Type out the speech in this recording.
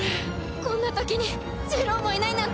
こんな時にジロウもいないなんて。